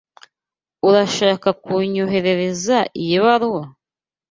Urashaka kunyoherereza iyi baruwa?